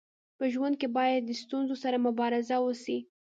په ژوند کي باید د ستونزو سره مبارزه وسي.